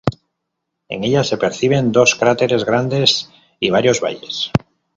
En ella se perciben dos cráteres grandes y varios valles.